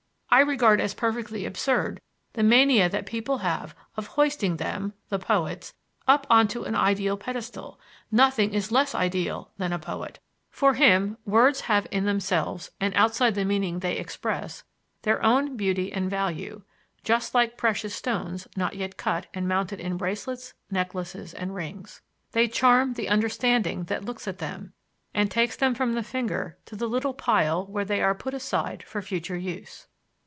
I regard as perfectly absurd the mania that people have of hoisting them (the poets) up onto an ideal pedestal; nothing is less ideal than a poet. For him words have in themselves and outside the meaning they express, their own beauty and value, just like precious stones not yet cut and mounted in bracelets, necklaces and rings; they charm the understanding that looks at them and takes them from the finger to the little pile where they are put aside for future use."